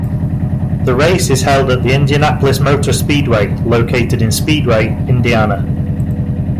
The race is held at the Indianapolis Motor Speedway, located in Speedway, Indiana.